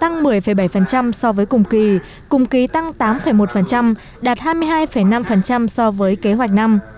tăng một mươi bảy so với cùng kỳ cùng kỳ tăng tám một đạt hai mươi hai năm so với kế hoạch năm